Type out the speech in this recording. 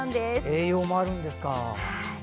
栄養もあるんですか。